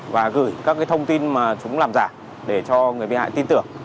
và gửi các thông tin mà chúng làm giả để cho người bị hại tin tưởng